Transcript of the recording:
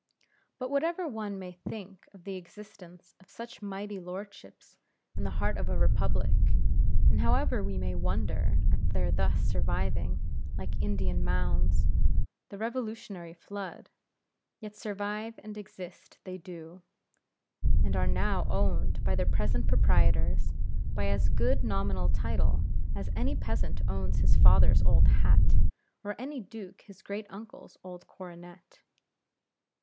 But whatever one may think of the existence of such mighty lordships in the heart of a republic, and however we may wonder at their thus surviving, like Indian mounds, the Revolutionary flood; yet survive and exist they do, and are now owned by their present proprietors, by as good nominal title as any peasant owns his father's old hat, or any duke his great uncle's old coronet.